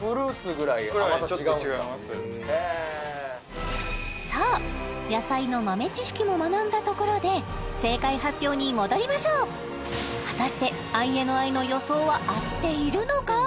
ちょっと違いますさあ野菜の豆知識も学んだところで正解発表に戻りましょう果たしてＩＮＩの予想は合っているのか？